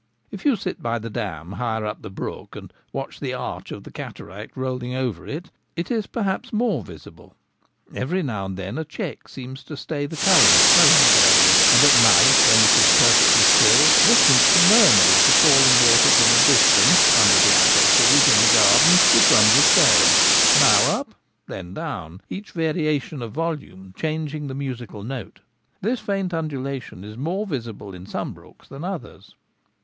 If you sit by the dam higher up the brook, and watch the arch of the cataract rolling over, it is perhaps more .visible. Every now and then a check seems to stay the current momentarily : and at night, when it is perfectly still, listening to the murmur of the falling water from a distance, tinder the apple trees in the garden it runs a scale — now up, then down ; each variation of volume changing the musical note. This faint undulation is more visible in some brooks than others.